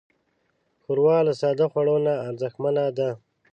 ښوروا له ساده خوړو نه ارزښتمنه ده.